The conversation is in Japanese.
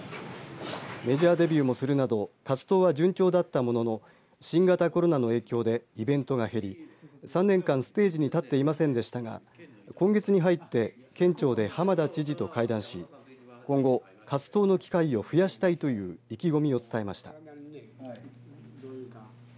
メジャーデビューもするなど活動は順調だったものの新型コロナの影響でイベントが減り３年間ステージに立っていませんでしたが今月に入って県庁で浜田知事と会談し今後活動の機会を増やしたいという意気込みを伝えました。